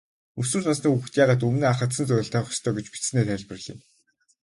Өсвөр насны хүүхэд яагаад өмнөө ахадсан зорилт тавих ёстой гэж бичсэнээ тайлбарлая.